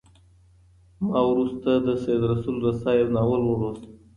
ما وروسته د سید رسول رسا یو ناول ولوست.